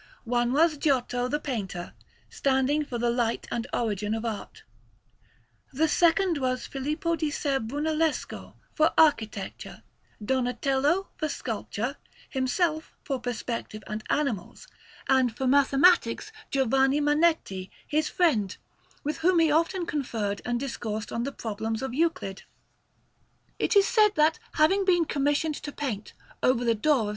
One was Giotto, the painter, standing for the light and origin of art; the second was Filippo di Ser Brunellesco, for architecture; Donatello, for sculpture; himself, for perspective and animals; and, for mathematics, Giovanni Manetti, his friend, with whom he often conferred and discoursed on the problems of Euclid. It is said that having been commissioned to paint, over the door of S.